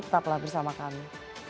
tetaplah bersama kami